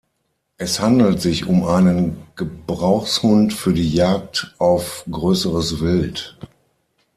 Es handelt sich um einen Gebrauchshund für die Jagd auf größeres Wild.